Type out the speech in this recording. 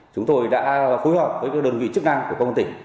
chúng tôi đã phối hợp với đơn vị chức năng của công an tỉnh